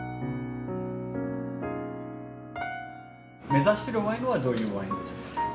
目指してるワインはどういうワインでしょう？